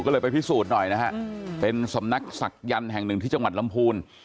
ก็เลยไปพิสูจน์หน่อยนะฮะเป็นสำนักศักยันต์แห่งหนึ่งที่จังหวัดลำพูน